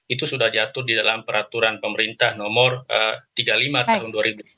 itu sudah diatur di dalam peraturan pemerintah nomor tiga puluh lima tahun dua ribu sembilan belas